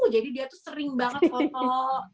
jadi dia tuh sering banget foto